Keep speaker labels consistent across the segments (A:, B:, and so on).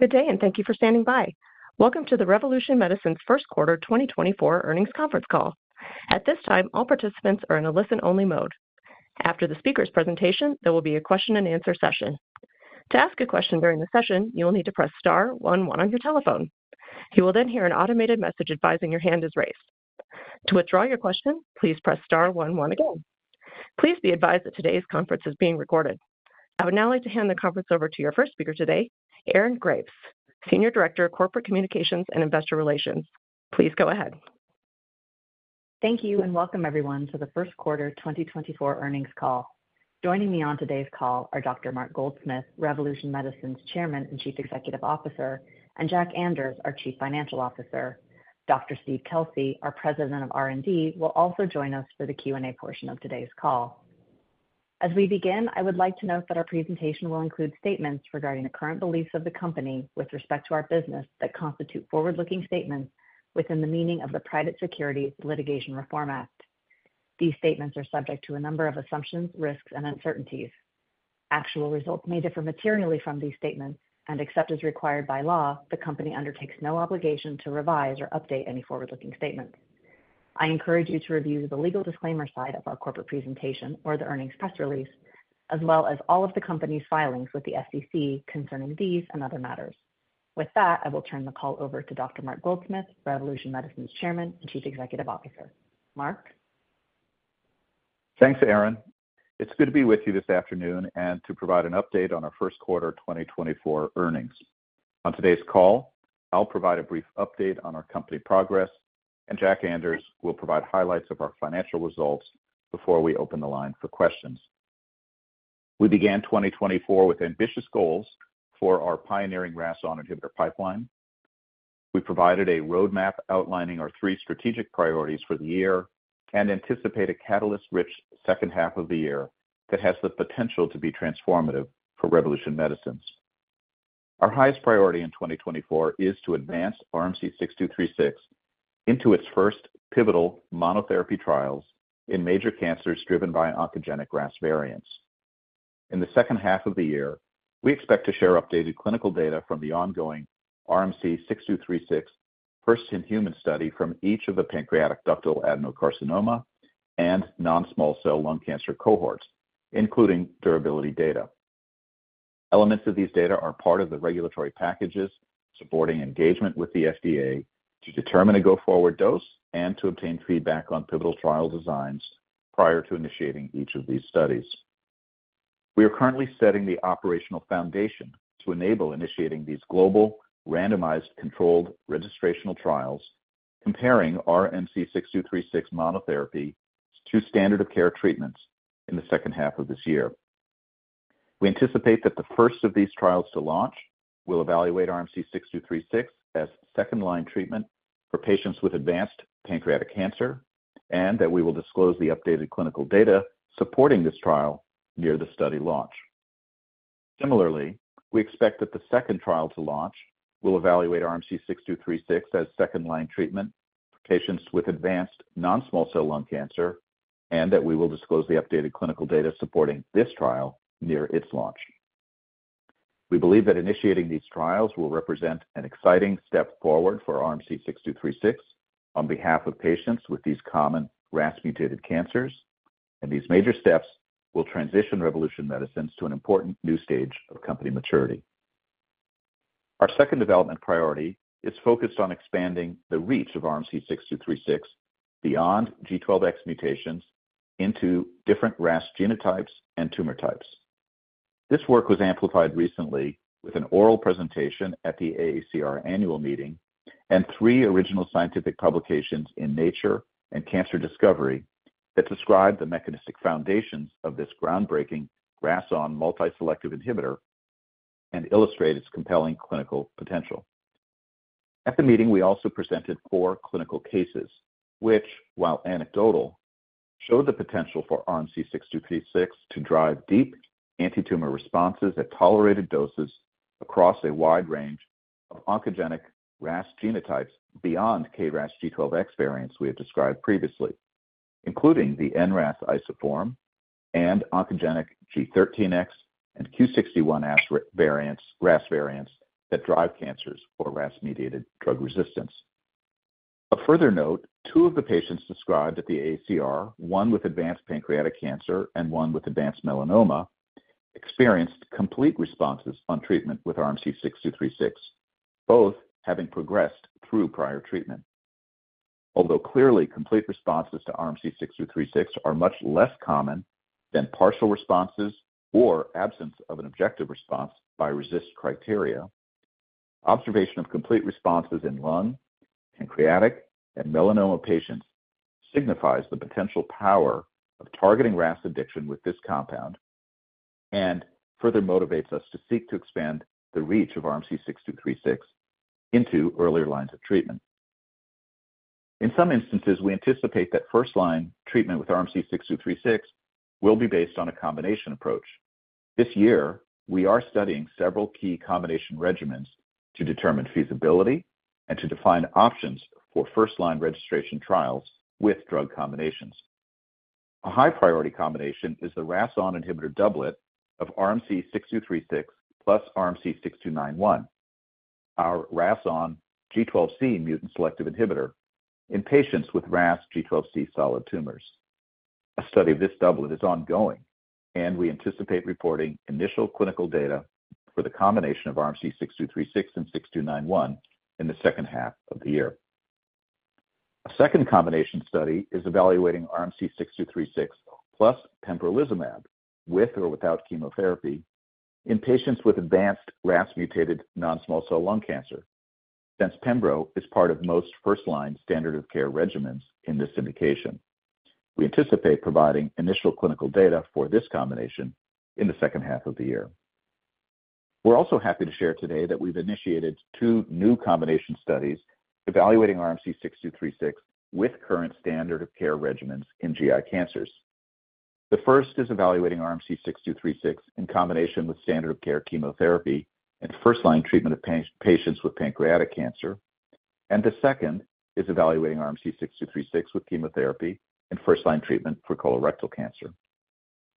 A: Good day, and thank you for standing by. Welcome to the Revolution Medicines first quarter 2024 earnings conference call. At this time, all participants are in a listen-only mode. After the speaker's presentation, there will be a Q&A session. To ask a question during the session, you will need to press star one one on your telephone. You will then hear an automated message advising your hand is raised. To withdraw your question, please press star one one again. Please be advised that today's conference is being recorded. I would now like to hand the conference over to your first speaker today, Erin Graves, Senior Director of Corporate Communications and Investor Relations. Please go ahead.
B: Thank you, and welcome everyone to the first quarter 2024 earnings call. Joining me on today's call are Dr. Mark Goldsmith, Revolution Medicines' Chairman and Chief Executive Officer, and Jack Anders, our Chief Financial Officer. Dr. Steve Kelsey, our President of R&D, will also join us for the Q&A portion of today's call. As we begin, I would like to note that our presentation will include statements regarding the current beliefs of the company with respect to our business that constitute forward-looking statements within the meaning of the Private Securities Litigation Reform Act. These statements are subject to a number of assumptions, risks, and uncertainties. Actual results may differ materially from these statements, and except as required by law, the company undertakes no obligation to revise or update any forward-looking statements. I encourage you to review the legal disclaimer slide of our corporate presentation or the earnings press release, as well as all of the company's filings with the SEC concerning these and other matters. With that, I will turn the call over to Dr. Mark Goldsmith, Revolution Medicines Chairman and Chief Executive Officer. Mark?
C: Thanks, Erin. It's good to be with you this afternoon and to provide an update on our first quarter 2024 earnings. On today's call, I'll provide a brief update on our company progress, and Jack Anders will provide highlights of our financial results before we open the line for questions. We began 2024 with ambitious goals for our pioneering RAS inhibitor pipeline. We provided a roadmap outlining our three strategic priorities for the year and anticipate a catalyst-rich second half of the year that has the potential to be transformative for Revolution Medicines. Our highest priority in 2024 is to advance RMC-6236 into its first pivotal monotherapy trials in major cancers driven by oncogenic RAS variants. In the second half of the year, we expect to share updated clinical data from the ongoing RMC-6236 first-in-human study from each of the pancreatic ductal adenocarcinoma and non-small cell lung cancer cohorts, including durability data. Elements of these data are part of the regulatory packages supporting engagement with the FDA to determine a go-forward dose and to obtain feedback on pivotal trial designs prior to initiating each of these studies. We are currently setting the operational foundation to enable initiating these global, randomized, controlled registrational trials comparing RMC-6236 monotherapy to standard of care treatments in the second half of this year. We anticipate that the first of these trials to launch will evaluate RMC-6236 as second-line treatment for patients with advanced pancreatic cancer, and that we will disclose the updated clinical data supporting this trial near the study launch. Similarly, we expect that the second trial to launch will evaluate RMC-6236 as second-line treatment for patients with advanced non-small cell lung cancer, and that we will disclose the updated clinical data supporting this trial near its launch. We believe that initiating these trials will represent an exciting step forward for RMC-6236 on behalf of patients with these common RAS-mutated cancers, and these major steps will transition Revolution Medicines to an important new stage of company maturity. Our second development priority is focused on expanding the reach of RMC-6236 beyond G12X mutations into different RAS genotypes and tumor types. This work was amplified recently with an oral presentation at the AACR annual meeting and three original scientific publications in Nature and Cancer Discovery that describe the mechanistic foundations of this groundbreaking RAS(ON) multi-selective inhibitor and illustrate its compelling clinical potential. At the meeting, we also presented four clinical cases which, while anecdotal, showed the potential for RMC-6236 to drive deep antitumor responses at tolerated doses across a wide range of oncogenic RAS genotypes beyond KRAS G12X variants we have described previously, including the NRAS isoform and oncogenic G13X and Q61 variants - RAS variants that drive cancers or RAS-mediated drug resistance. Of further note, two of the patients described at the AACR, one with advanced pancreatic cancer and one with advanced melanoma, experienced complete responses on treatment with RMC-6236, both having progressed through prior treatment. Although clearly complete responses to RMC-6236 are much less common than partial responses or absence of an objective response by RECIST criteria, observation of complete responses in lung, pancreatic, and melanoma patients signifies the potential power of targeting RAS addiction with this compound and further motivates us to seek to expand the reach of RMC-6236 into earlier lines of treatment. In some instances, we anticipate that first-line treatment with RMC-6236 will be based on a combination approach. This year, we are studying several key combination regimens to determine feasibility and to define options for first-line registration trials with drug combinations. A high-priority combination is the RAS(ON) inhibitor doublet of RMC-6236 plus RMC-6291, our RAS(ON) G12C mutant selective inhibitor in patients with RAS G12C solid tumors. A study of this doublet is ongoing, and we anticipate reporting initial clinical data for the combination of RMC-6236 and 6291 in the second half of the year. A second combination study is evaluating RMC-6236 plus pembrolizumab, with or without chemotherapy, in patients with advanced RAS-mutated non-small cell lung cancer. Since pembro is part of most first-line standard of care regimens in this indication, we anticipate providing initial clinical data for this combination in the second half of the year. We're also happy to share today that we've initiated two new combination studies evaluating RMC-6236 with current standard of care regimens in GI cancers. The first is evaluating RMC-6236 in combination with standard of care chemotherapy in first-line treatment of patients with pancreatic cancer, and the second is evaluating RMC-6236 with chemotherapy in first-line treatment for colorectal cancer.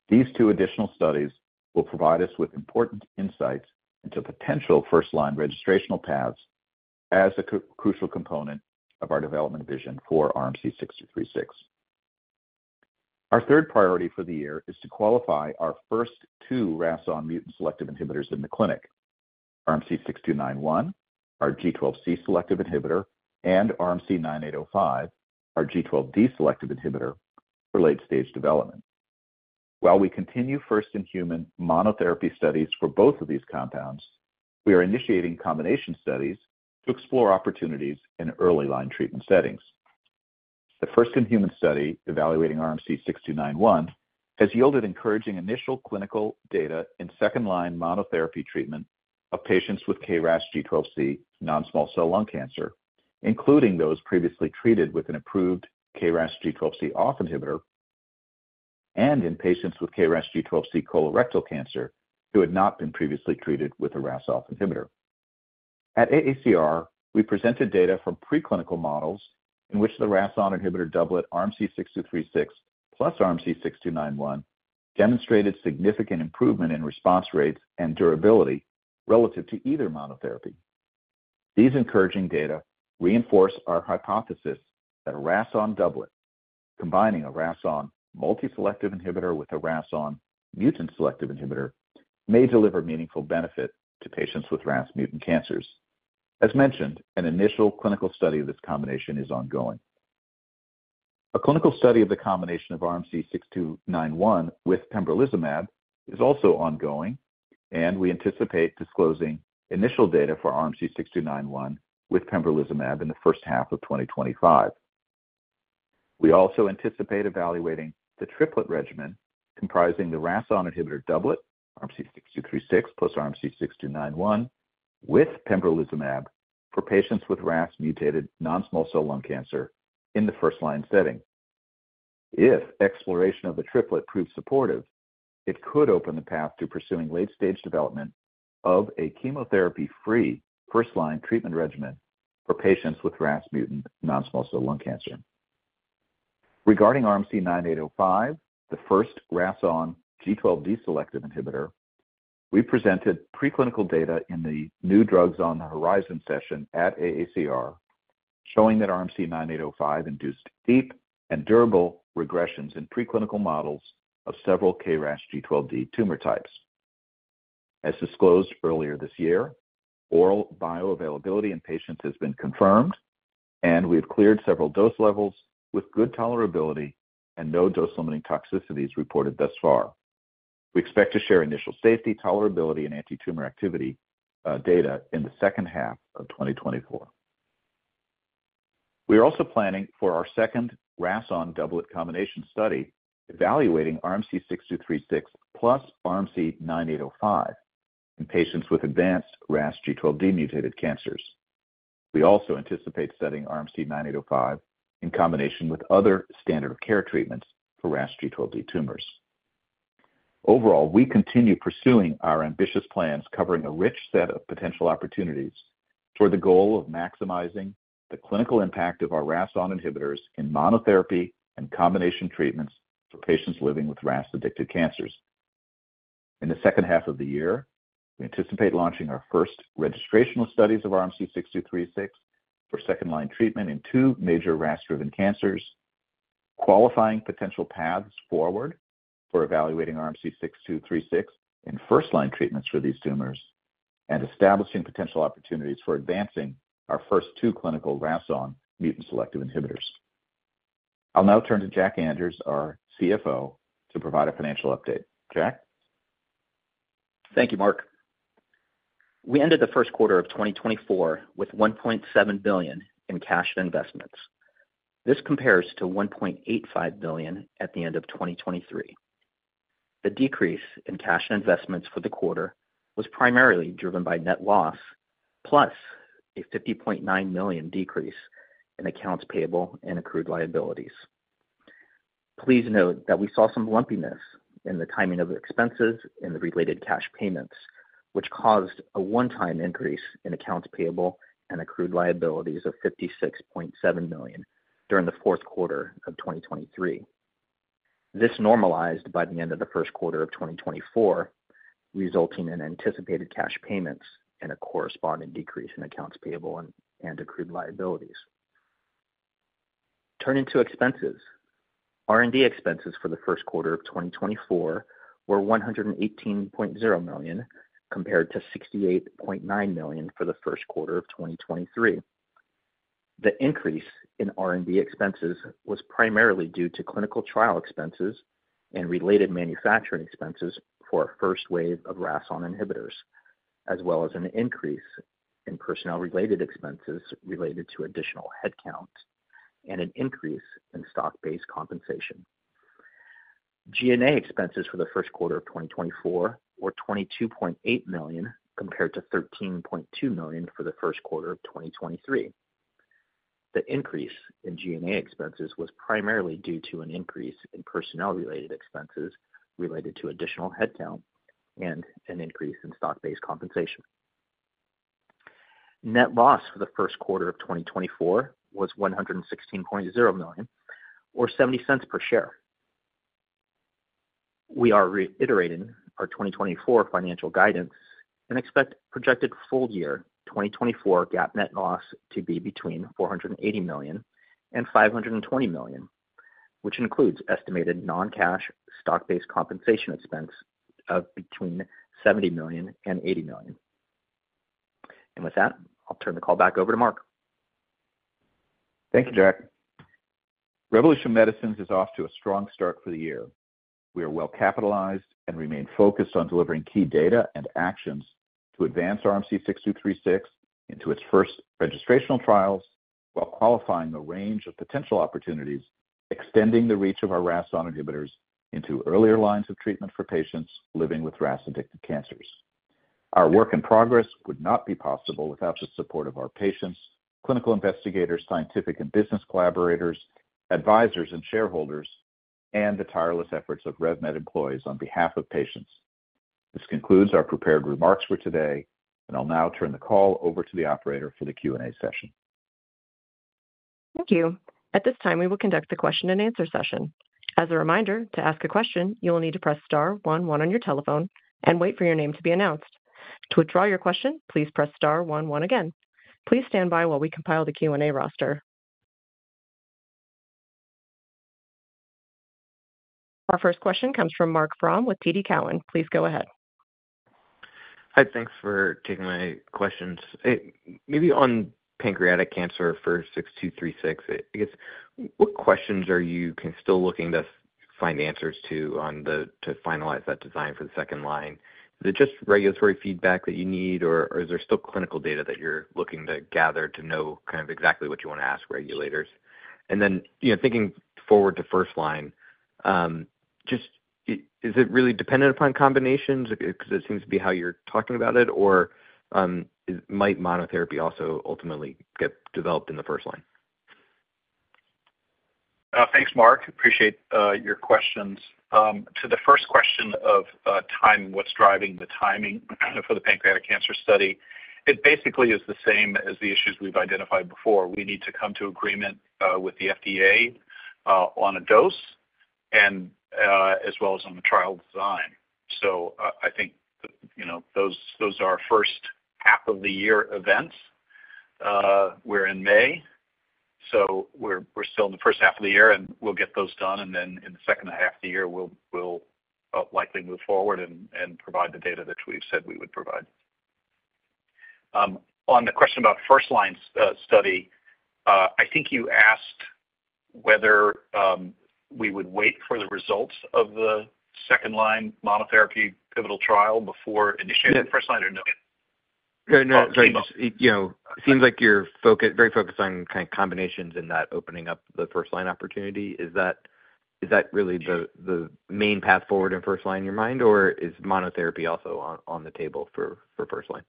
C: These two additional studies will provide us with important insights into potential first-line registrational paths as a crucial component of our development vision for RMC-6236. Our third priority for the year is to qualify our first two RAS(ON) mutant selective inhibitors in the clinic, RMC-6291, our G12C selective inhibitor, and RMC-9805, our G12D selective inhibitor, for late-stage development. While we continue first-in-human monotherapy studies for both of these compounds, we are initiating combination studies to explore opportunities in early line treatment settings. The first-in-human study evaluating RMC-6291 has yielded encouraging initial clinical data in second-line monotherapy treatment of patients with KRAS G12C non-small cell lung cancer, including those previously treated with an approved KRAS G12C(OFF) inhibitor and in patients with KRAS G12C colorectal cancer who had not been previously treated with a RAS(OFF) inhibitor. At AACR, we presented data from preclinical models in which the RAS(ON) inhibitor doublet RMC-6236 plus RMC-6291 demonstrated significant improvement in response rates and durability relative to either monotherapy. These encouraging data reinforce our hypothesis that a RAS(ON) doublet, combining a RAS(ON) multi-selective inhibitor with a RAS(ON) mutant-selective inhibitor, may deliver meaningful benefit to patients with RAS mutant cancers. As mentioned, an initial clinical study of this combination is ongoing. A clinical study of the combination of RMC-6291 with pembrolizumab is also ongoing, and we anticipate disclosing initial data for RMC-6291 with pembrolizumab in the first half of 2025. We also anticipate evaluating the triplet regimen, comprising the RAS(ON) inhibitor doublet, RMC-6236 plus RMC-6291, with pembrolizumab for patients with RAS mutated non-small cell lung cancer in the first-line setting. If exploration of the triplet proves supportive, it could open the path to pursuing late-stage development of a chemotherapy-free first-line treatment regimen for patients with RAS mutant non-small cell lung cancer. Regarding RMC-9805, the first RAS(ON) G12D selective inhibitor, we presented preclinical data in the New Drugs on the Horizon session at AACR, showing that RMC-9805 induced deep and durable regressions in preclinical models of several KRAS G12D tumor types. As disclosed earlier this year, oral bioavailability in patients has been confirmed, and we have cleared several dose levels with good tolerability and no dose-limiting toxicities reported thus far. We expect to share initial safety, tolerability, and antitumor activity data in the second half of 2024. We are also planning for our second RAS(ON) doublet combination study, evaluating RMC-6236 plus RMC-9805 in patients with advanced RAS G12D mutated cancers. We also anticipate studying RMC-9805 in combination with other standard of care treatments for RAS G12D tumors. Overall, we continue pursuing our ambitious plans, covering a rich set of potential opportunities toward the goal of maximizing the clinical impact of our RAS(ON) inhibitors in monotherapy and combination treatments for patients living with RAS-addicted cancers. In the second half of the year, we anticipate launching our first registrational studies of RMC-6236 for second-line treatment in two major RAS-driven cancers, qualifying potential paths forward for evaluating RMC-6236 in first-line treatments for these tumors, and establishing potential opportunities for advancing our first two clinical RAS(ON) mutant selective inhibitors. I'll now turn to Jack Anders, our CFO, to provide a financial update. Jack?
D: Thank you, Mark. We ended the first quarter of 2024 with $1.7 billion in cash and investments. This compares to $1.85 billion at the end of 2023. The decrease in cash and investments for the quarter was primarily driven by net loss, plus a $50.9 million decrease in accounts payable and accrued liabilities. Please note that we saw some lumpiness in the timing of expenses and the related cash payments, which caused a one-time increase in accounts payable and accrued liabilities of $56.7 million during the fourth quarter of 2023. This normalized by the end of the first quarter of 2024, resulting in anticipated cash payments and a corresponding decrease in accounts payable and accrued liabilities. Turning to expenses. R&D expenses for the first quarter of 2024 were $118.0 million, compared to $68.9 million for the first quarter of 2023. The increase in R&D expenses was primarily due to clinical trial expenses and related manufacturing expenses for a first wave of RAS(ON) inhibitors, as well as an increase in personnel-related expenses related to additional headcount and an increase in stock-based compensation. G&A expenses for the first quarter of 2024 were $22.8 million, compared to $13.2 million for the first quarter of 2023. The increase in G&A expenses was primarily due to an increase in personnel-related expenses related to additional headcount and an increase in stock-based compensation. Net loss for the first quarter of 2024 was $116.0 million, or $0.70 per share. We are reiterating our 2024 financial guidance and expect projected full year 2024 GAAP net loss to be between $480 million and $520 million, which includes estimated non-cash stock-based compensation expense of between $70 million and $80 million. With that, I'll turn the call back over to Mark.
C: Thank you, Jack. Revolution Medicines is off to a strong start for the year. We are well capitalized and remain focused on delivering key data and actions to advance RMC-6236 into its first registrational trials, while qualifying the range of potential opportunities, extending the reach of our RAS(ON) inhibitors into earlier lines of treatment for patients living with RAS-addicted cancers. Our work in progress would not be possible without the support of our patients, clinical investigators, scientific and business collaborators, advisors and shareholders, and the tireless efforts of RevMed employees on behalf of patients. This concludes our prepared remarks for today, and I'll now turn the call over to the operator for the Q&A session.
A: Thank you. At this time, we will conduct a Q&A session. As a reminder, to ask a question, you will need to press star one one on your telephone and wait for your name to be announced. To withdraw your question, please press star one one again. Please stand by while we compile the Q&A roster. Our first question comes from Marc Frahm with TD Cowen. Please go ahead.
E: Hi, thanks for taking my questions. Maybe on pancreatic cancer for 6236, I guess, what questions are you still looking to find the answers to to finalize that design for the second line? Is it just regulatory feedback that you need, or is there still clinical data that you're looking to gather to know kind of exactly what you want to ask regulators? And then, you know, thinking forward to first line, just is it really dependent upon combinations? Because it seems to be how you're talking about it, or might monotherapy also ultimately get developed in the first line?
C: Thanks, Marc. Appreciate your questions. To the first question of timing, what's driving the timing for the pancreatic cancer study, it basically is the same as the issues we've identified before. We need to come to agreement with the FDA on a dose and as well as on the trial design. So, I think, you know, those are first half of the year events. We're in May, so we're still in the first half of the year, and we'll get those done, and then in the second half of the year, we'll likely move forward and provide the data that we've said we would provide. On the question about first line study, I think you asked whether we would wait for the results of the second line monotherapy pivotal trial before initiating the first line or no?
E: No, you know, it seems like you're very focused on kind of combinations and not opening up the first line opportunity. Is that really the main path forward in first line in your mind, or is monotherapy also on the table for first line?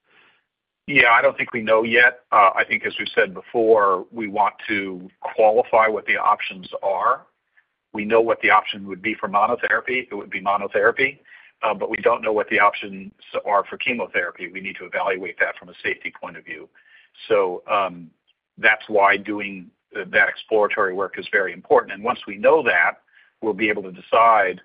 C: Yeah, I don't think we know yet. I think, as we've said before, we want to qualify what the options are. We know what the option would be for monotherapy. It would be monotherapy, but we don't know what the options are for chemotherapy. We need to evaluate that from a safety point of view. So, that's why doing that exploratory work is very important, and once we know that, we'll be able to decide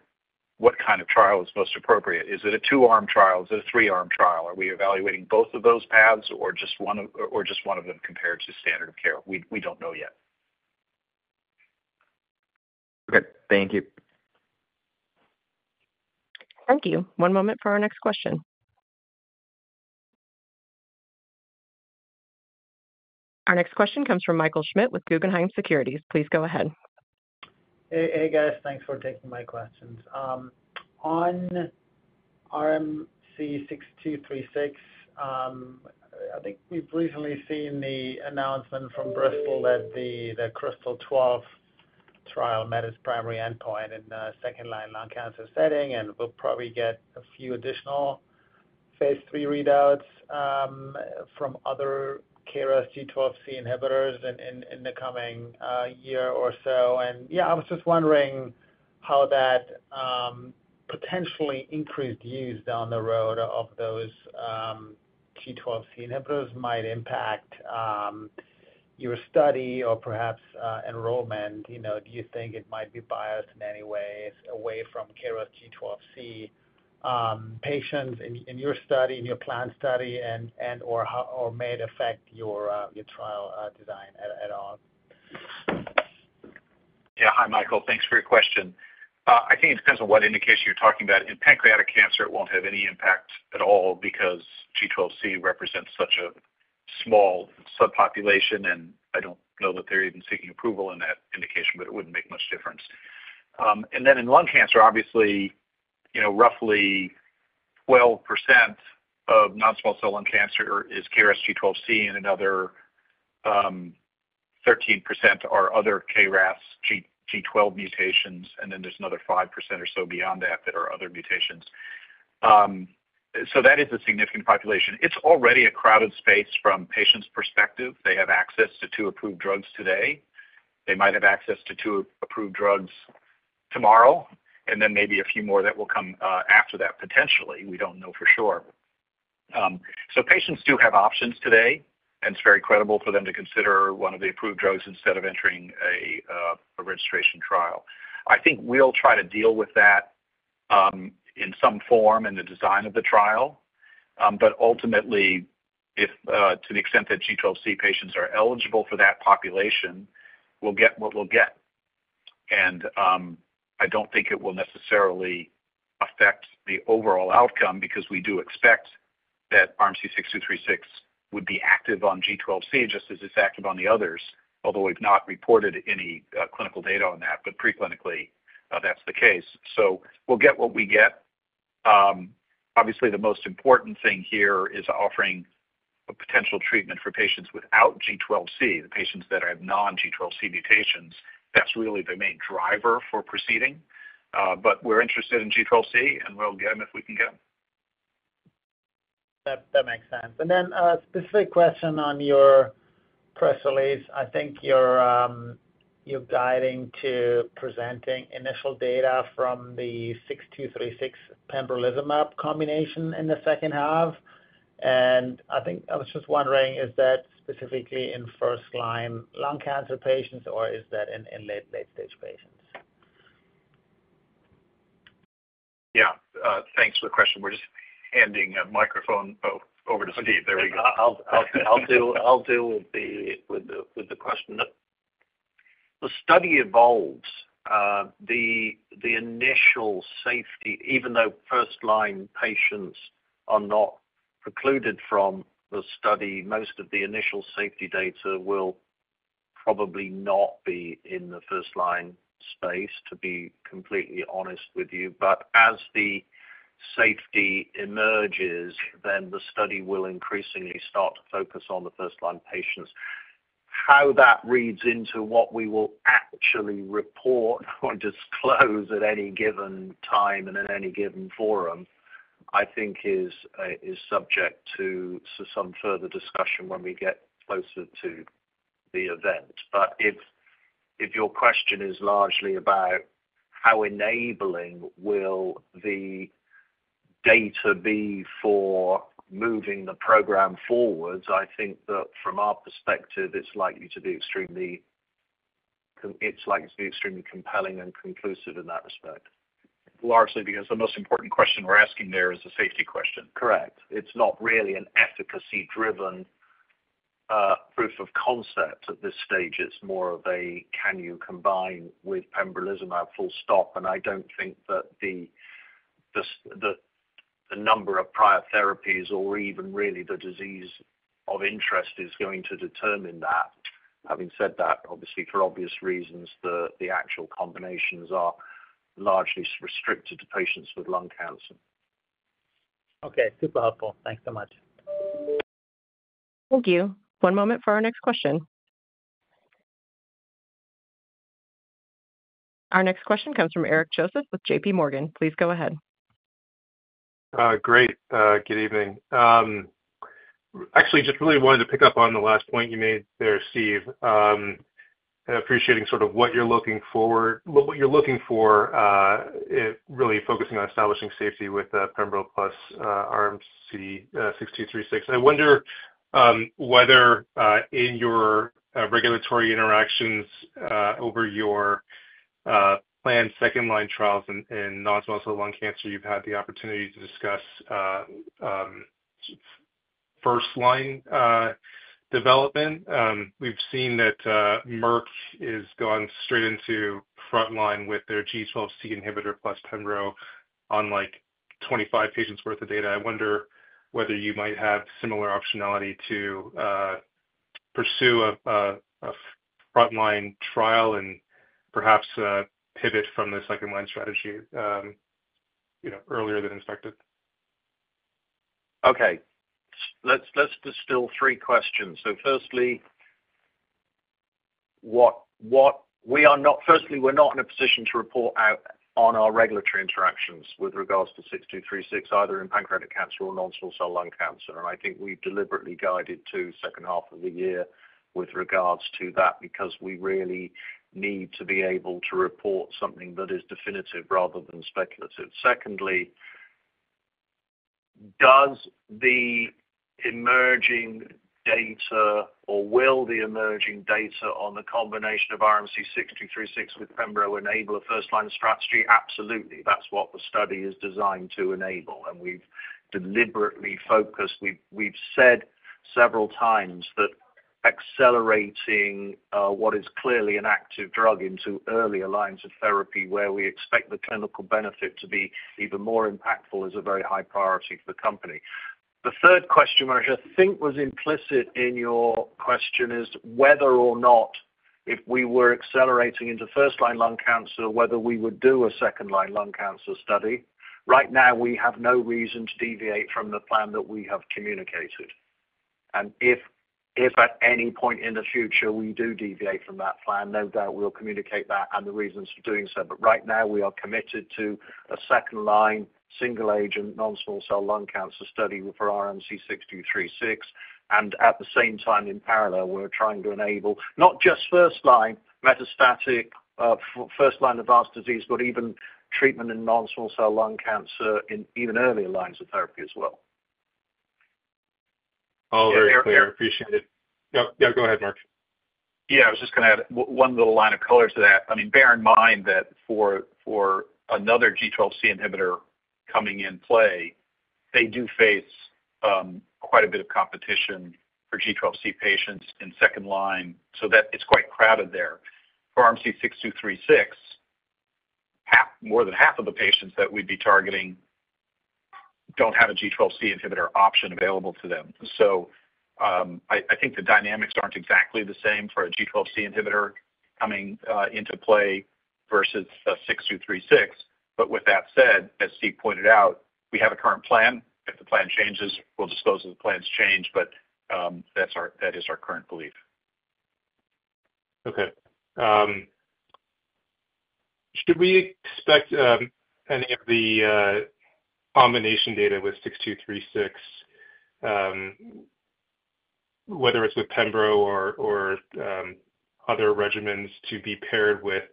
C: what kind of trial is most appropriate. Is it a two-arm trial? Is it a three-arm trial? Are we evaluating both of those paths or just one of them compared to standard of care? We don't know yet.
E: Okay, thank you.
A: Thank you. One moment for our next question. Our next question comes from Michael Schmidt with Guggenheim Securities. Please go ahead.
F: Hey, hey, guys, thanks for taking my questions. On RMC-6236, I think we've recently seen the announcement from Bristol that the KRYSTAL-12 trial met its primary endpoint in the second-line lung cancer setting, and we'll probably get a few additional phase III readouts from other KRAS G12C inhibitors in the coming year or so. And yeah, I was just wondering how that potentially increased use down the road of those G12C inhibitors might impact your study or perhaps enrollment. You know, do you think it might be biased in any ways away from KRAS G12C patients in your study, in your planned study, and or how, or may it affect your trial design at all?
C: Yeah. Hi, Michael, thanks for your question. I think it depends on what indication you're talking about. In pancreatic cancer, it won't have any impact at all because G12C represents such a small subpopulation, and I don't know that they're even seeking approval in that indication, but it wouldn't make much difference. And then in lung cancer, obviously, you know, roughly 12% of non-small cell lung cancer is KRAS G12C, and another 13% are other KRAS G12 mutations, and then there's another 5% or so beyond that that are other mutations. So that is a significant population. It's already a crowded space from patients' perspective. They have access to two approved drugs today. They might have access to two approved drugs tomorrow, and then maybe a few more that will come after that, potentially, we don't know for sure. So patients do have options today, and it's very credible for them to consider one of the approved drugs instead of entering a registration trial. I think we'll try to deal with that in some form in the design of the trial. But ultimately, to the extent that G12C patients are eligible for that population, we'll get what we'll get. And I don't think it will necessarily affect the overall outcome because we do expect that RMC-6236 would be active on G12C, just as it's active on the others, although we've not reported any clinical data on that, but preclinically, that's the case. So we'll get what we get. Obviously, the most important thing here is offering a potential treatment for patients without G12C, the patients that have non-G12C mutations. That's really the main driver for proceeding. But we're interested in G12C, and we'll get them if we can get them.
F: That makes sense. Then, specific question on your press release. I think you're, you're guiding to presenting initial data from the 6236 pembrolizumab combination in the second half. And I think I was just wondering, is that specifically in first-line lung cancer patients, or is that in late-stage patients?
C: Yeah, thanks for the question. We're just handing a microphone over to Steve. There we go.
G: I'll deal with the question. The study evolves the initial safety, even though first-line patients are not precluded from the study, most of the initial safety data will probably not be in the first line space, to be completely honest with you. But as the safety emerges, then the study will increasingly start to focus on the first line patients. How that reads into what we will actually report or disclose at any given time and in any given forum, I think is subject to some further discussion when we get closer to the event. But if your question is largely about how enabling will the data be for moving the program forwards, I think that from our perspective, it's likely to be extremely compelling and conclusive in that respect.
C: Largely because the most important question we're asking there is a safety question.
G: Correct. It's not really an efficacy-driven proof of concept at this stage. It's more of a, can you combine with pembrolizumab full stop? And I don't think that the number of prior therapies or even really the disease of interest is going to determine that. Having said that, obviously, for obvious reasons, the actual combinations are largely restricted to patients with lung cancer.
F: Okay. Super helpful. Thanks so much.
A: Thank you. One moment for our next question. Our next question comes from Eric Joseph with J.PMorgan. Please go ahead.
H: Great. Good evening. Actually, just really wanted to pick up on the last point you made there, Steve. Appreciating sort of what you're looking forward—what, what you're looking for, really focusing on establishing safety with pembro plus RMC-6236. I wonder whether, in your regulatory interactions over your planned second line trials in non-small cell lung cancer, you've had the opportunity to discuss first line development. We've seen that Merck has gone straight into frontline with their G12C inhibitor plus pembro on, like, 25 patients worth of data. I wonder whether you might have similar optionality to pursue a frontline trial and perhaps pivot from the second line strategy, you know, earlier than expected.
G: Okay. Let's distill three questions. So firstly, what... We are not. Firstly, we're not in a position to report out on our regulatory interactions with regards to RMC-6236, either in pancreatic cancer or non-small cell lung cancer. And I think we've deliberately guided to second half of the year with regards to that, because we really need to be able to report something that is definitive rather than speculative. Secondly, does the emerging data or will the emerging data on the combination of RMC-6236 with pembro enable a first-line strategy? Absolutely. That's what the study is designed to enable, and we've deliberately focused. We've said several times that accelerating what is clearly an active drug into earlier lines of therapy, where we expect the clinical benefit to be even more impactful, is a very high priority for the company. The third question, which I think was implicit in your question, is whether or not if we were accelerating into first-line lung cancer, whether we would do a second line lung cancer study. Right now, we have no reason to deviate from the plan that we have communicated. And if at any point in the future we do deviate from that plan, no doubt we'll communicate that and the reasons for doing so. But right now we are committed to a second line, single agent, non-small cell lung cancer study for RMC-6236, and at the same time, in parallel, we're trying to enable not just first line metastatic, first line advanced disease, but even treatment in non-small cell lung cancer in even earlier lines of therapy as well.
H: All very clear. Appreciate it. Yep. Yeah, go ahead, Mark.
C: Yeah, I was just going to add one little line of color to that. I mean, bear in mind that for, for another G12C inhibitor coming in play, they do face quite a bit of competition for G12C patients in second line, so that it's quite crowded there. For RMC-6236, more than half of the patients that we'd be targeting don't have a G12C inhibitor option available to them. So, I think the dynamics aren't exactly the same for a G12C inhibitor coming into play versus RMC-6236. But with that said, as Steve pointed out, we have a current plan. If the plan changes, we'll disclose if the plans change, but that's our current belief.
H: Okay. Should we expect any of the combination data with 6236, whether it's with pembro or other regimens, to be paired with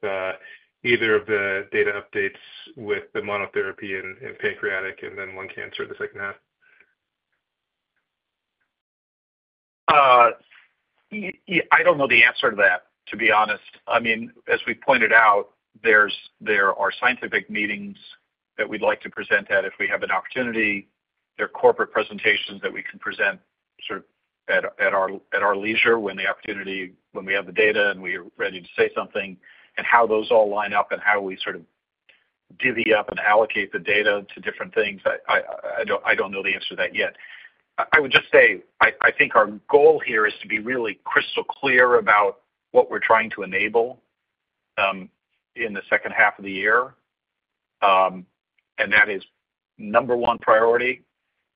H: either of the data updates with the monotherapy and pancreatic and then lung cancer in the second half?
C: I don't know the answer to that, to be honest. I mean, as we pointed out, there are scientific meetings that we'd like to present at if we have an opportunity. There are corporate presentations that we can present sort of at our leisure, when we have the data and we're ready to say something. And how those all line up and how we sort of divvy up and allocate the data to different things, I don't know the answer to that yet. I would just say, I think our goal here is to be really crystal clear about what we're trying to enable in the second half of the year. And that is number one priority,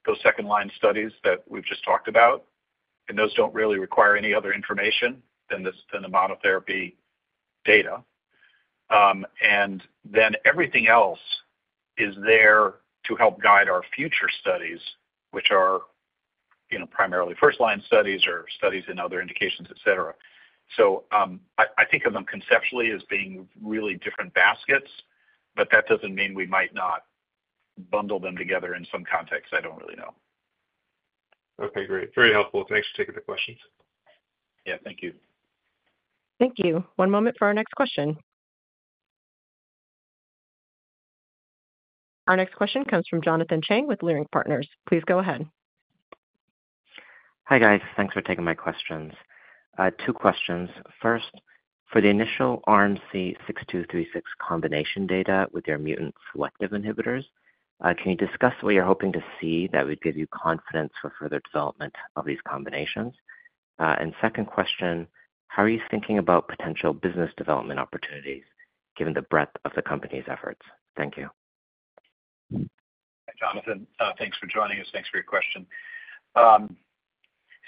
C: those second line studies that we've just talked about, and those don't really require any other information than this, than the monotherapy data. And then everything else is there to help guide our future studies, which are, you know, primarily first line studies or studies in other indications, et cetera. So, I think of them conceptually as being really different baskets, but that doesn't mean we might not bundle them together in some context. I don't really know.
H: Okay, great. Very helpful. Thanks for taking the questions.
C: Yeah, thank you.
A: Thank you. One moment for our next question. Our next question comes from Jonathan Chang with Leerink Partners. Please go ahead.
I: Hi, guys. Thanks for taking my questions. Two questions. First, for the initial RMC-6236 combination data with your mutant selective inhibitors, can you discuss what you're hoping to see that would give you confidence for further development of these combinations? And second question, how are you thinking about potential business development opportunities given the breadth of the company's efforts? Thank you.
C: Jonathan, thanks for joining us. Thanks for your question.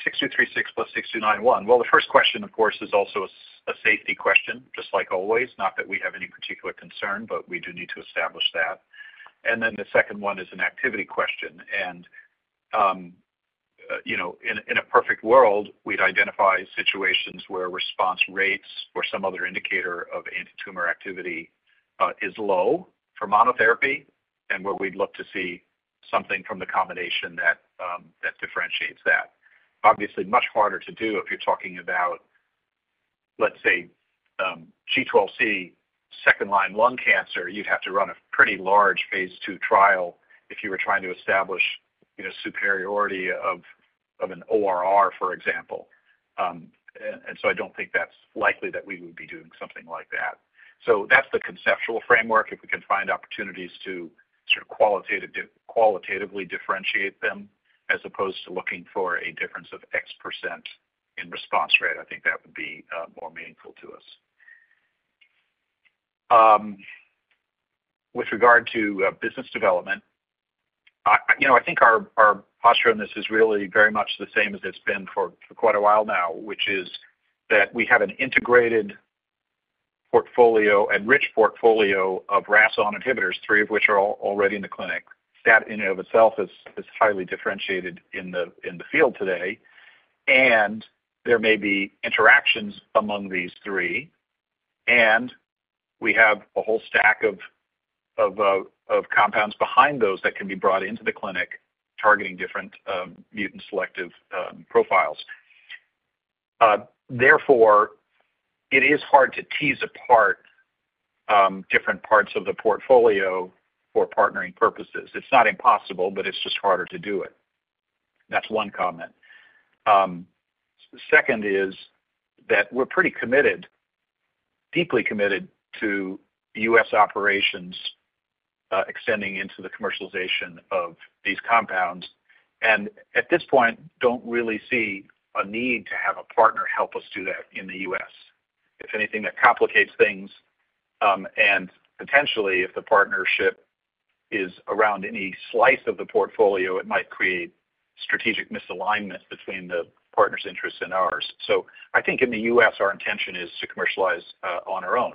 C: 6236 plus 6291. Well, the first question, of course, is also a safety question, just like always. Not that we have any particular concern, but we do need to establish that. And then the second one is an activity question, and, you know, in a perfect world, we'd identify situations where response rates or some other indicator of antitumor activity is low for monotherapy, and where we'd look to see something from the combination that differentiates that. Obviously, much harder to do if you're talking about, let's say, G12C, second-line lung cancer, you'd have to run a pretty large phase II trial if you were trying to establish, you know, superiority of an ORR, for example. So I don't think that's likely that we would be doing something like that. So that's the conceptual framework. If we can find opportunities to sort of qualitatively differentiate them, as opposed to looking for a difference of X% in response rate, I think that would be more meaningful to us. With regard to business development, you know, I think our posture on this is really very much the same as it's been for quite a while now, which is that we have an integrated portfolio and rich portfolio of RAS on inhibitors, three of which are already in the clinic. That in and of itself is highly differentiated in the field today, and there may be interactions among these three, and we have a whole stack of compounds behind those that can be brought into the clinic, targeting different mutant selective profiles. Therefore, it is hard to tease apart different parts of the portfolio for partnering purposes. It's not impossible, but it's just harder to do it. That's one comment. Second is that we're pretty committed, deeply committed to U.S. operations, extending into the commercialization of these compounds, and at this point, don't really see a need to have a partner help us do that in the U.S. If anything, that complicates things, and potentially, if the partnership is around any slice of the portfolio, it might create strategic misalignment between the partner's interests and ours. So I think in the US, our intention is to commercialize on our own.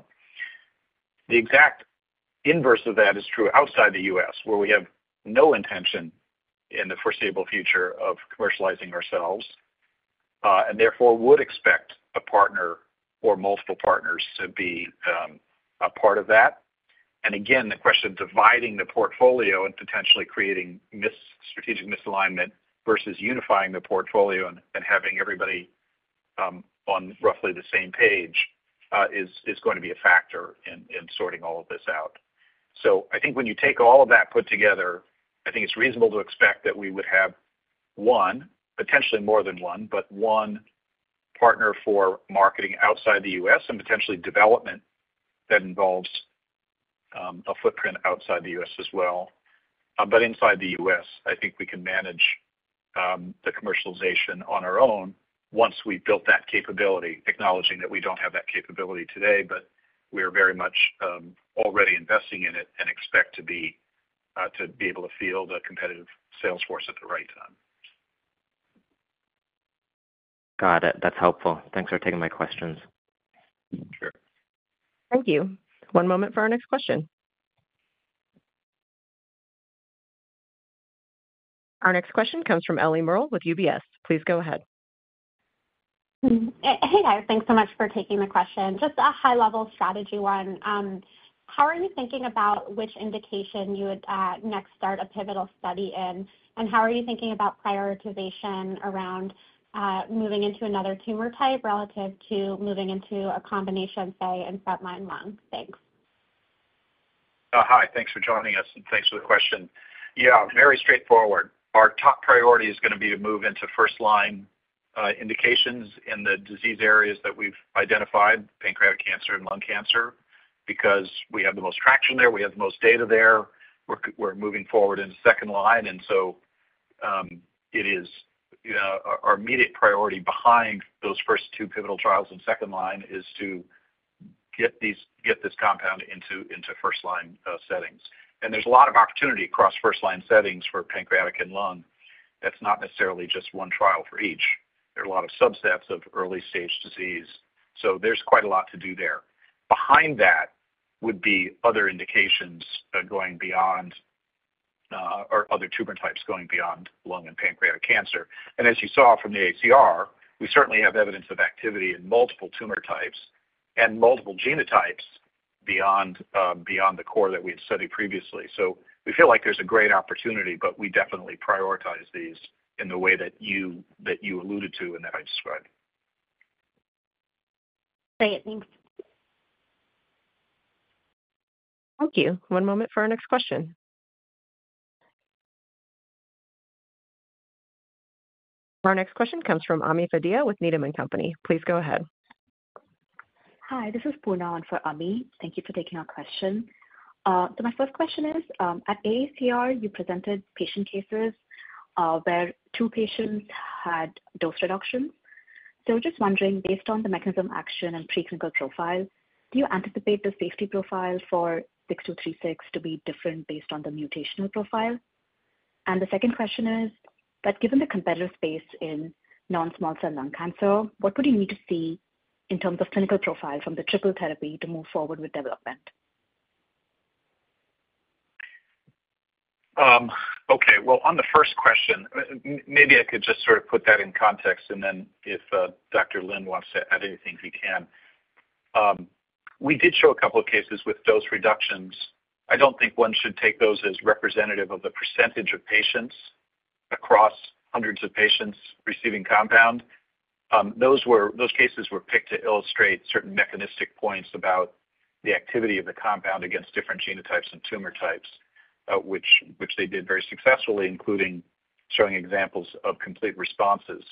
C: The exact inverse of that is true outside the US, where we have no intention in the foreseeable future of commercializing ourselves, and therefore would expect a partner or multiple partners to be a part of that. And again, the question of dividing the portfolio and potentially creating mis-strategic misalignment versus unifying the portfolio and having everybody on roughly the same page is going to be a factor in sorting all of this out. So I think when you take all of that put together, I think it's reasonable to expect that we would have one, potentially more than one, but one partner for marketing outside the U.S. and potentially development that involves a footprint outside the U.S. as well. But inside the U.S., I think we can manage the commercialization on our own once we've built that capability, acknowledging that we don't have that capability today, but we are very much already investing in it and expect to be able to field a competitive sales force at the right time.
I: Got it. That's helpful. Thanks for taking my questions.
C: Sure.
A: Thank you. One moment for our next question. Our next question comes from Ellie Merle with UBS. Please go ahead.
J: Hey, guys, thanks so much for taking the question. Just a high-level strategy one. How are you thinking about which indication you would next start a pivotal study in? And how are you thinking about prioritization around moving into another tumor type relative to moving into a combination, say, in front line lung? Thanks.
C: Hi, thanks for joining us, and thanks for the question. Yeah, very straightforward. Our top priority is going to be to move into first-line indications in the disease areas that we've identified, pancreatic cancer and lung cancer, because we have the most traction there, we have the most data there, we're moving forward in second line, and so it is, you know, our immediate priority behind those first two pivotal trials in second line is to get this compound into first line settings. There's a lot of opportunity across first line settings for pancreatic and lung. That's not necessarily just one trial for each. There are a lot of subsets of early-stage disease, so there's quite a lot to do there. Behind that would be other indications, going beyond, or other tumor types going beyond lung and pancreatic cancer. And as you saw from the AACR, we certainly have evidence of activity in multiple tumor types and multiple genotypes beyond, beyond the core that we had studied previously. So we feel like there's a great opportunity, but we definitely prioritize these in the way that you, that you alluded to and that I described.
J: Great, thanks.
A: Thank you. One moment for our next question. Our next question comes from Ami Fadia with Needham & Company. Please go ahead.
K: Hi, this is Poonam on for Ami. Thank you for taking our question. So my first question is, at AACR, you presented patient cases, where two patients had dose reductions. So just wondering, based on the mechanism, action, and preclinical profile, do you anticipate the safety profile for RMC-6236 to be different based on the mutational profile? And the second question is, given the competitive space in non-small cell lung cancer, what would you need to see in terms of clinical profile from the triple therapy to move forward with development?
C: Okay, well, on the first question, maybe I could just sort of put that in context, and then if Dr. Lin wants to add anything, he can. We did show a couple of cases with dose reductions. I don't think one should take those as representative of the percentage of patients across hundreds of patients receiving compound. Those cases were picked to illustrate certain mechanistic points about the activity of the compound against different genotypes and tumor types, which they did very successfully, including showing examples of complete responses.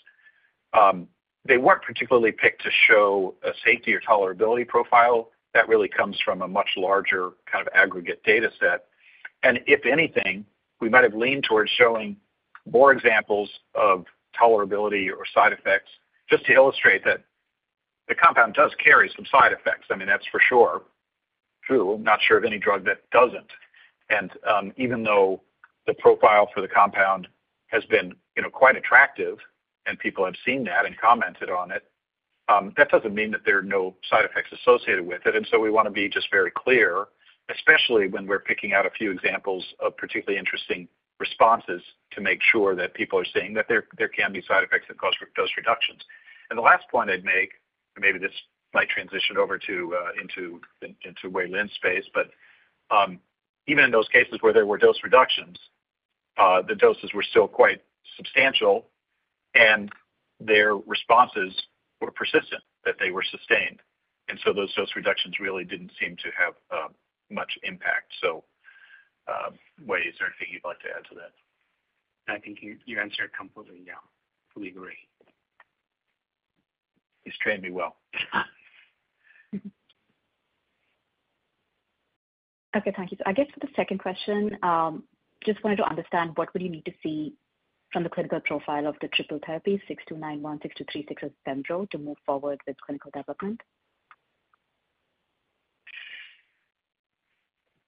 C: They weren't particularly picked to show a safety or tolerability profile. That really comes from a much larger kind of aggregate data set. And if anything, we might have leaned towards showing more examples of tolerability or side effects, just to illustrate that the compound does carry some side effects. I mean, that's for sure, true. Not sure of any drug that doesn't. And even though the profile for the compound has been, you know, quite attractive and people have seen that and commented on it, that doesn't mean that there are no side effects associated with it. And so we want to be just very clear, especially when we're picking out a few examples of particularly interesting responses, to make sure that people are seeing that there, there can be side effects that cause dose reductions. And the last point I'd make, and maybe this might transition over to into Wei Lin's space, but even in those cases where there were dose reductions, the doses were still quite substantial, and their responses were persistent, that they were sustained. And so those dose reductions really didn't seem to have much impact. Wei, is there anything you'd like to add to that?
L: I think you answered completely, yeah. Fully agree.
C: He's trained me well.
K: Okay, thank you. So I guess for the second question, just wanted to understand what would you need to see from the clinical profile of the triple therapy, 6291, 6236, as pembro, to move forward with clinical development?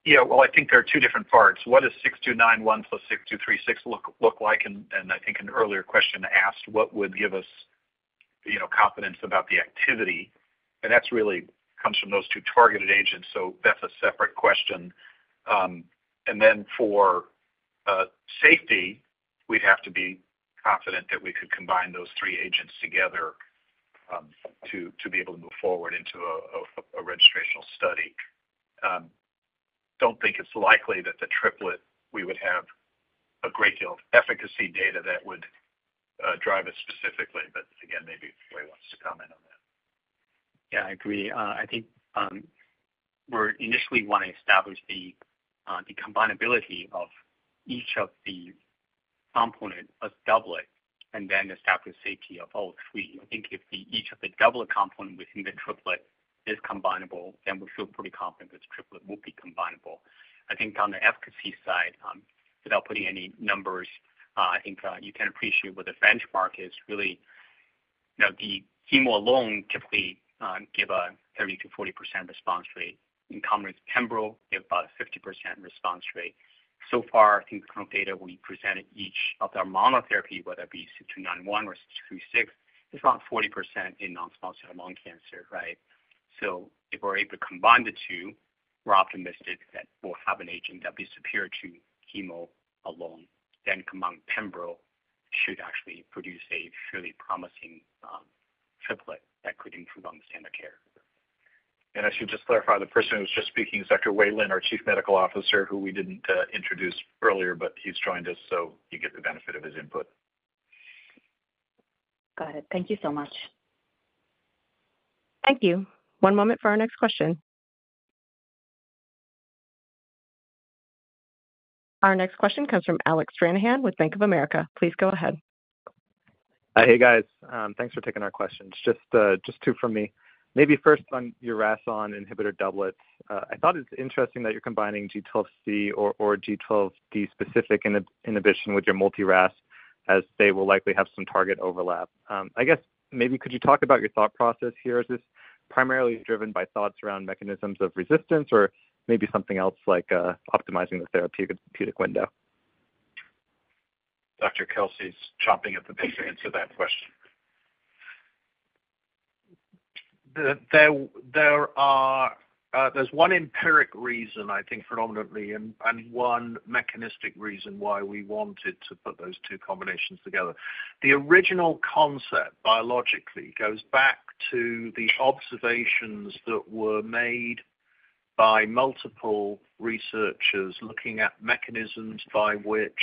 C: Yeah. Well, I think there are two different parts. What does 6291 plus 6236 look like? And I think an earlier question asked, what would give us, you know, confidence about the activity? And that's really comes from those two targeted agents, so that's a separate question. And then for safety, we'd have to be confident that we could combine those three agents together, to be able to move forward into a registrational study. Don't think it's likely that the triplet, we would have a great deal of efficacy data that would drive us specifically, but again, maybe Wei wants to comment on that.
L: Yeah, I agree. I think, we're initially want to establish the, the combinability of each of the component of doublet and then establish safety of all three. I think if the, each of the doublet component within the triplet is combinable, then we feel pretty confident this triplet will be combinable. I think on the efficacy side, without putting any numbers, I think, you can appreciate what the benchmark is really. You know, the chemo alone typically, give a 30%-40% response rate. In combination with pembro, give about a 50% response rate. So far, I think the current data we presented, each of our monotherapy, whether that be 6291 or 6236, is around 40% in non-small cell lung cancer, right? So if we're able to combine the two, we're optimistic that we'll have an agent that'll be superior to chemo alone. Then combined pembro should actually produce a truly promising triplet that could improve on the standard of care.
C: I should just clarify, the person who was just speaking is Dr. Wei Lin, our Chief Medical Officer, who we didn't introduce earlier, but he's joined us, so you get the benefit of his input.
K: Got it. Thank you so much.
A: Thank you. One moment for our next question. Our next question comes from Alec Stranahan with Bank of America. Please go ahead.
M: Hey, guys. Thanks for taking our questions. Just, just two from me. Maybe first on your RAS(ON) inhibitor doublets. I thought it was interesting that you're combining G12C or G12D specific inhibition with your multi-RAS, as they will likely have some target overlap. I guess, maybe could you talk about your thought process here? Is this primarily driven by thoughts around mechanisms of resistance or maybe something else like optimizing the therapeutic window?
C: Dr. Kelsey's chomping at the bit to answer that question.
G: There is one empiric reason, I think, predominantly and one mechanistic reason why we wanted to put those two combinations together. The original concept, biologically, goes back to the observations that were made by multiple researchers looking at mechanisms by which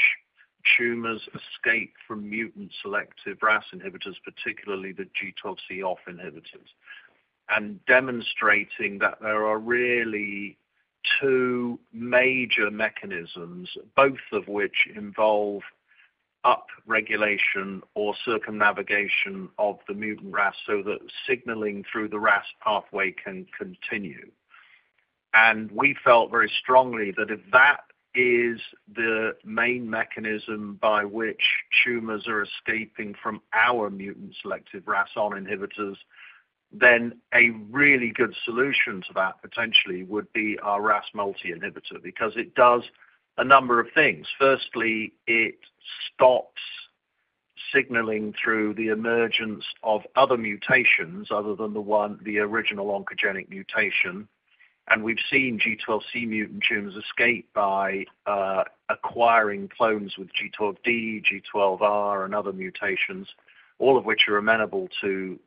G: tumors escape from mutant selective RAS inhibitors, particularly the G12C(OFF) inhibitors, and demonstrating that there are really two major mechanisms, both of which involve upregulation or circumvention of the mutant RAS, so that signaling through the RAS pathway can continue. We felt very strongly that if that is the main mechanism by which tumors are escaping from our mutant selective RAS(ON) inhibitors, then a really good solution to that, potentially, would be our RAS multi-inhibitor, because it does a number of things. Firstly, it stops signaling through the emergence of other mutations, other than the one, the original oncogenic mutation. We've seen G12C-mutant tumors escape by acquiring clones with G12D, G12R, and other mutations, all of which are amenable to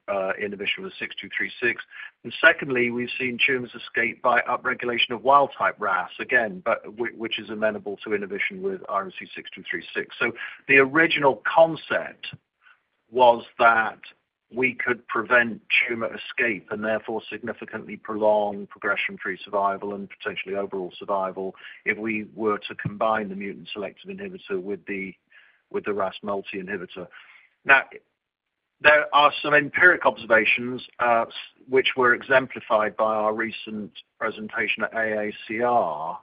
G: inhibition with RMC-6236. And secondly, we've seen tumors escape by upregulation of wild-type RAS, again, but which is amenable to inhibition with RMC-6236. So the original concept was that we could prevent tumor escape and therefore significantly prolong progression-free survival and potentially overall survival, if we were to combine the mutant selective inhibitor with the RAS multi-inhibitor. Now, there are some empirical observations, which were exemplified by our recent presentation at AACR,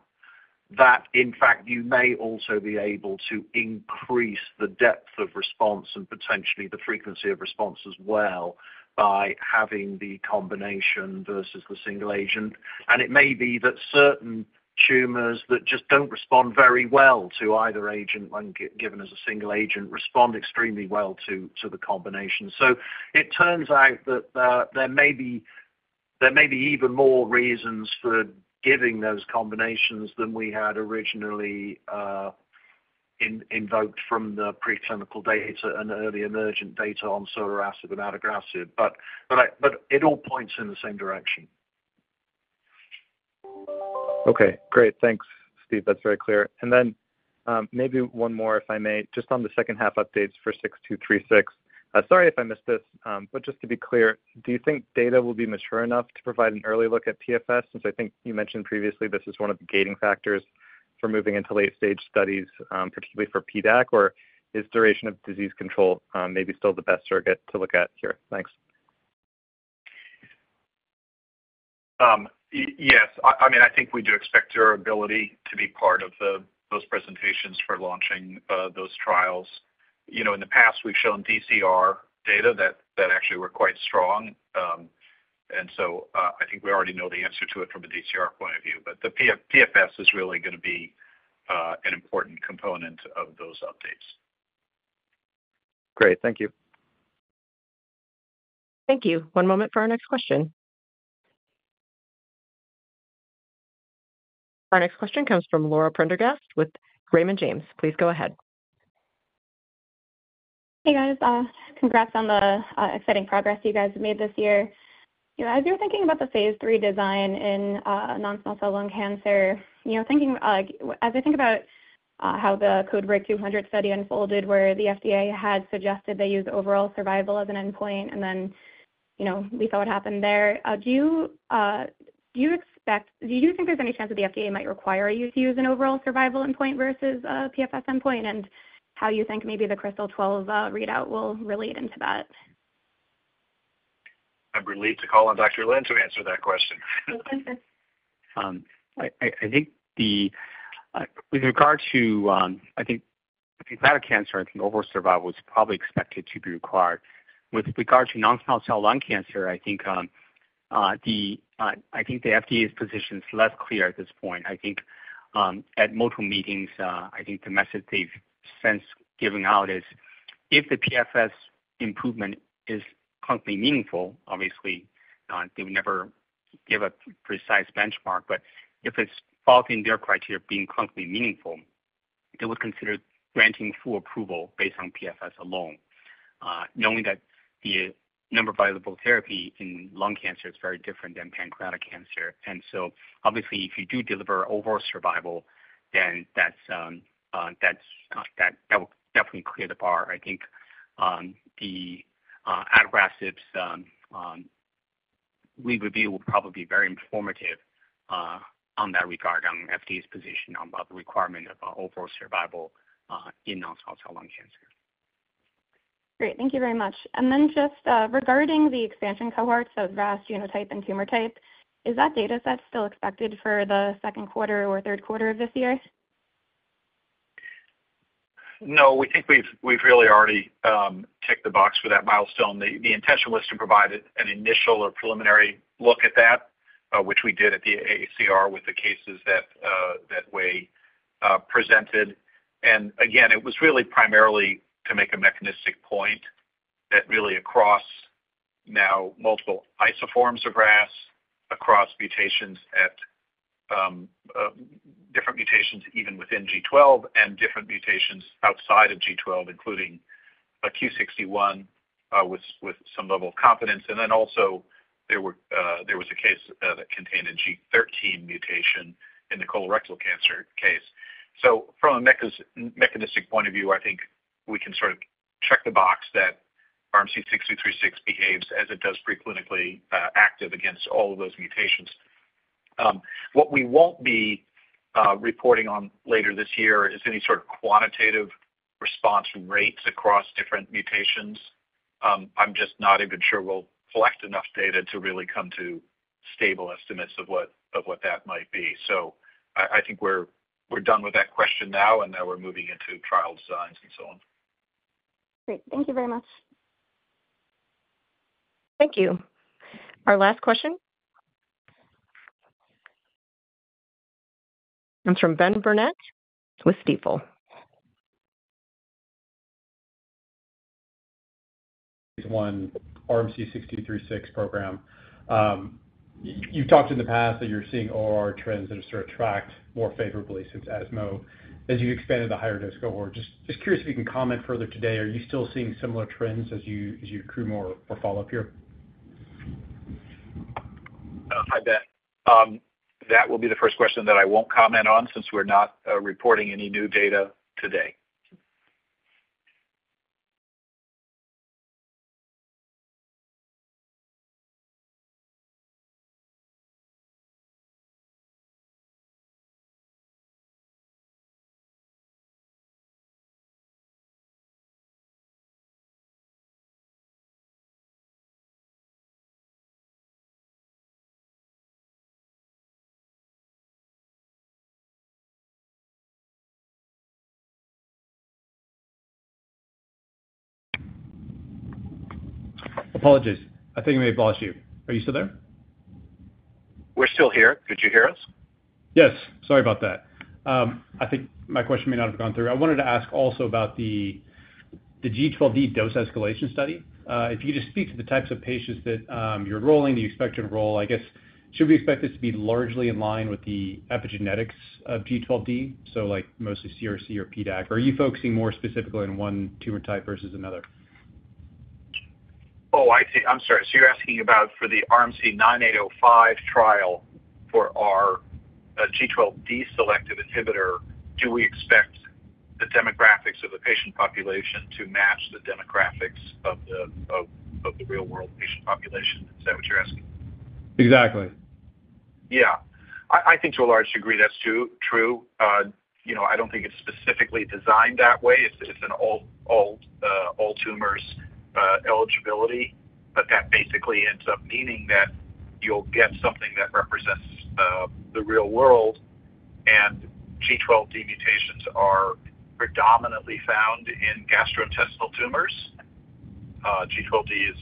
G: that, in fact, you may also be able to increase the depth of response and potentially the frequency of response as well by having the combination versus the single agent. And it may be that certain tumors that just don't respond very well to either agent, when given as a single agent, respond extremely well to the combination. So it turns out that there may be even more reasons for giving those combinations than we had originally invoked from the preclinical data and early emergent data on sotorasib and adagrasib, but it all points in the same direction.
M: Okay, great. Thanks, Steve. That's very clear. And then, maybe one more, if I may, just on the second half updates for 6236. Sorry if I missed this, but just to be clear, do you think data will be mature enough to provide an early look at PFS? Since I think you mentioned previously, this is one of the gating factors for moving into late stage studies, particularly for PDAC, or is duration of disease control, maybe still the best surrogate to look at here? Thanks.
C: Yes, I mean, I think we do expect durability to be part of those presentations for launching those trials. You know, in the past, we've shown DCR data that actually were quite strong. And so, I think we already know the answer to it from a DCR point of view, but the PFS is really gonna be an important component of those updates. Great. Thank you.
A: Thank you. One moment for our next question. Our next question comes from Laura Prendergast with Raymond James. Please go ahead.
N: Hey, guys, congrats on the exciting progress you guys have made this year. You know, as you're thinking about the phase III design in non-small cell lung cancer, you know, thinking, like, as I think about how the CodeBreaK 200 study unfolded, where the FDA had suggested they use overall survival as an endpoint, and then, you know, we saw what happened there. Do you think there's any chance that the FDA might require you to use an overall survival endpoint versus a PFS endpoint, and how you think maybe the KRYSTAL-12 readout will relate into that?
C: I'm relieved to call on Dr. Lin to answer that question.
N: Okay.
L: I think with regard to pancreatic cancer, overall survival is probably expected to be required. With regard to non-small cell lung cancer, I think the FDA's position is less clear at this point. I think at multiple meetings, the message they've since given out is, if the PFS improvement is clinically meaningful, obviously, they would never give a precise benchmark, but if it's fitting their criteria of being clinically meaningful, they would consider granting full approval based on PFS alone. Knowing that the number viable therapy in lung cancer is very different than pancreatic cancer. And so obviously, if you do deliver overall survival, then that will definitely clear the bar. I think the adagrasib's review will probably be very informative on that regard on FDA's position on about the requirement of overall survival in non-small cell lung cancer.
N: Great. Thank you very much. And then just, regarding the expansion cohorts of RAS genotype and tumor type, is that dataset still expected for the second quarter or third quarter of this year?
C: No, we think we've really already ticked the box for that milestone. The intention was to provide an initial or preliminary look at that, which we did at the AACR with the cases that we presented. And again, it was really primarily to make a mechanistic point, that really across now multiple isoforms of RAS, across mutations at different mutations, even within G12 and different mutations outside of G12, including a Q61 with some level of confidence. And then also there was a case that contained a G13 mutation in the colorectal cancer case. So from a mechanistic point of view, I think we can sort of check the box that RMC-6236 behaves as it does preclinically active against all of those mutations. What we won't be reporting on later this year is any sort of quantitative response rates across different mutations. I'm just not even sure we'll collect enough data to really come to stable estimates of what, of what that might be. So I, I think we're, we're done with that question now, and now we're moving into trial designs and so on.
N: Great. Thank you very much.
A: Thank you. Our last question comes from Ben Burnett with Stifel.
O: One, RMC-6236 program. You've talked in the past that you're seeing OR trends that have sort of tracked more favorably since ASCO, as you expanded the higher-risk cohort. Just curious if you can comment further today, are you still seeing similar trends as you accrue more follow-up here?
C: Hi, Ben. That will be the first question that I won't comment on, since we're not reporting any new data today.
O: Apologies. I think I may have lost you. Are you still there?
C: We're still here. Could you hear us?
O: Yes, sorry about that. I think my question may not have gone through. I wanted to ask also about the G12D dose escalation study. If you could just speak to the types of patients that you're enrolling, do you expect to enroll, I guess, should we expect this to be largely in line with the epigenetics of G12D, so like mostly CRC or PDAC, or are you focusing more specifically on one tumor type versus another?
C: Oh, I see. I'm sorry. So you're asking about for the RMC-9805 trial for our G12D selective inhibitor, do we expect the demographics of the patient population to match the demographics of the real-world patient population? Is that what you're asking?
O: Exactly.
C: Yeah. I think to a large degree, that's true. You know, I don't think it's specifically designed that way. It's an all-tumors eligibility, but that basically ends up meaning that you'll get something that represents the real world, and G12D mutations are predominantly found in gastrointestinal tumors. G12D is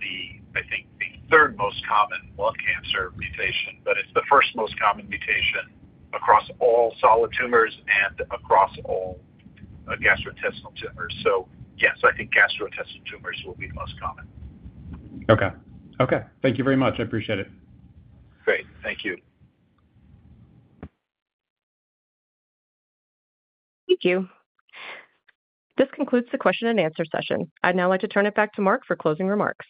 C: the, I think, the third most common lung cancer mutation, but it's the first most common mutation across all solid tumors and across all gastrointestinal tumors. So yes, I think gastrointestinal tumors will be the most common.
O: Okay. Okay, thank you very much. I appreciate it.
C: Great. Thank you.
A: Thank you. This concludes the question and answer session. I'd now like to turn it back to Mark for closing remarks.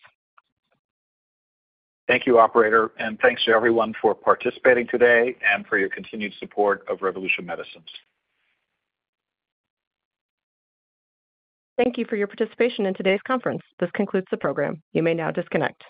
C: Thank you, operator, and thanks to everyone for participating today and for your continued support of Revolution Medicines.
A: Thank you for your participation in today's conference. This concludes the program. You may now disconnect.